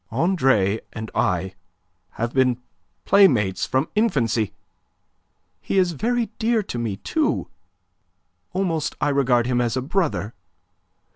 "Andre and I have been playmates from infancy. He is very dear to me, too; almost I regard him as a brother.